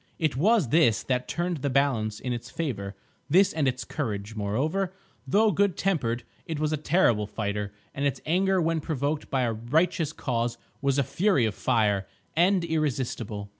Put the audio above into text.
It was this that turned the balance in its favour, this and its courage. Moreover, though good tempered, it was a terrible fighter, and its anger when provoked by a righteous cause was a fury of fire, and irresistible.